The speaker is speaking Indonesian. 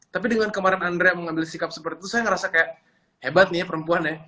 tapi dengan kemarin andrea mengambil sikap seperti itu saya ngerasa kayak hebat nih ya perempuan ya